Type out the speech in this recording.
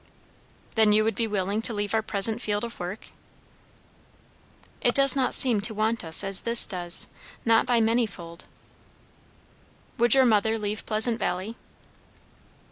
"Then you would be willing to leave our present field of work?" "It does not seem to want us as this does not by many fold." "Would your mother leave Pleasant Valley?"